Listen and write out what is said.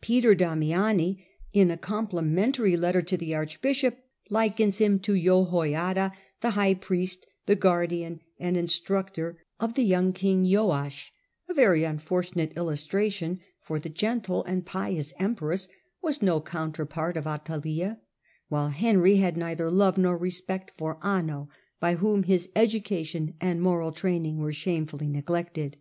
Peter Damiani, in a complimentary letter to the archbishop, likens him to Jehoiada, the high priest, the guardian, and instructor of the young Digitized by VjOOQIC 62 HiLDEBRAND king Joash; a very unfortunate illuBtration, for the gentle and pious empress was no counterpart of Atha liah, while Henry had neither love nor respect for Anno, by whom his education and moral training were shamefiiUy neglected.